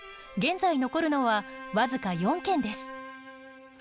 現在残るのは僅か４軒です。